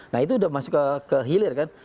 nah itu sudah masuk ke hilir kan